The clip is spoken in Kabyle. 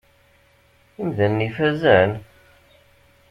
Imdanen ifazen?